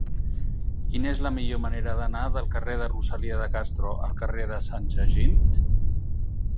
Quina és la millor manera d'anar del carrer de Rosalía de Castro al carrer de Sant Jacint?